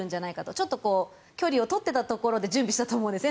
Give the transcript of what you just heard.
ちょっと距離を取っていたところで準備をしていたと思うんですね。